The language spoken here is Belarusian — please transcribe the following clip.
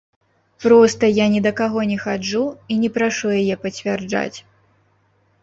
Проста я ні да каго не хаджу і не прашу яе пацвярджаць.